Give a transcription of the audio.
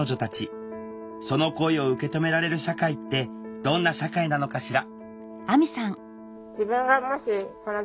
その声を受けとめられる社会ってどんな社会なのかしら？